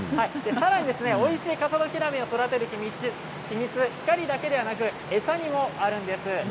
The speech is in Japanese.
さらにおいしい笠戸ひらめを育てる秘密餌だけでなく餌にもあるんです。